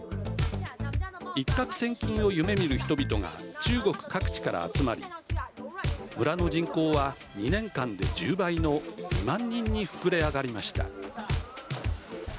一獲千金を夢見る人々が中国各地から集まり村の人口は２年間で１０倍の２万人に膨れ上がりました。